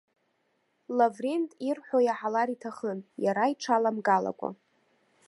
Лаврент ирҳәо иаҳалар иҭахын, иара иҽаламгалакәа.